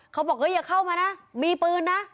เขาบอกอย่าเข้ามานะมีปืนนะ